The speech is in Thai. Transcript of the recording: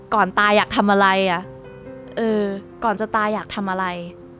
ตายอยากทำอะไรอ่ะเออก่อนจะตายอยากทำอะไร